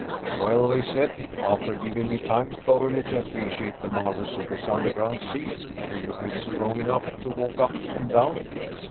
"Well," he said, after giving me time thoroughly to appreciate the marvels of this underground sea, "do you feel strong enough to walk up and down?"